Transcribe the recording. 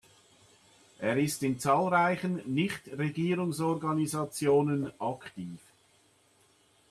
Er ist in zahlreichen Nichtregierungsorganisationen aktiv.